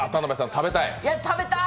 食べたーい！